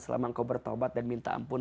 selama engkau bertobat dan minta ampun